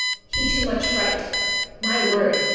He too much fright. My word!